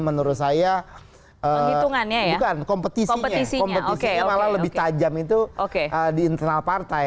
menurut saya bukan kompetisinya kompetisinya malah lebih tajam itu di internal partai